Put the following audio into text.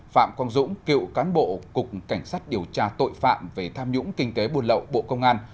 phạm quang dũng cựu cán bộ cục cảnh sát điều tra tội phạm về tham nhũng kinh tế buôn lậu bộ công an